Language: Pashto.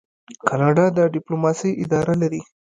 کاناډا د ډیپلوماسۍ اداره لري.